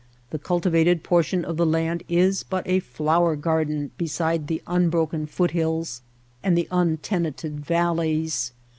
The cultivated portion of the land is but a flower garden beside the unbroken foot hills and the untenanted valleys.